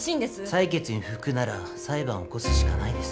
裁決に不服なら裁判を起こすしかないです。